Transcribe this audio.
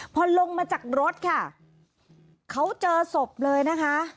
พอลงมาจากรถค่ะเขาเจอศพเลยนะคะ